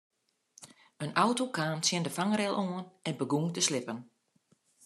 In auto kaam tsjin de fangrail oan en begûn te slippen.